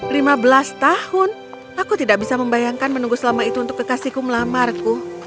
lima belas tahun aku tidak bisa membayangkan menunggu selama itu untuk kekasihku melamarku